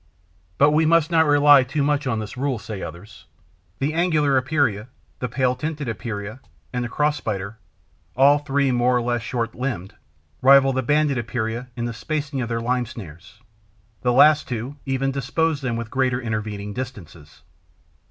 But we must not rely too much on this rule, say others. The Angular Epeira, the Paletinted Epeira and the Cross Spider, all three more or less short limbed, rival the Banded Epeira in the spacing of their lime snares. The last two even dispose them with greater intervening distances.